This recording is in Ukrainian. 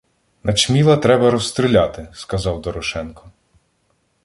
— Начміла треба розстріляти, — сказав Дорошенко.